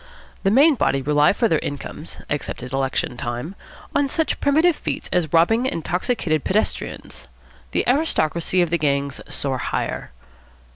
The main body rely for their incomes, except at election time, on such primitive feats as robbing intoxicated pedestrians. The aristocracy of the gangs soar higher.